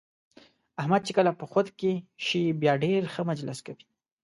احمد چې کله په خود کې شي بیا ډېر ښه مجلس کوي.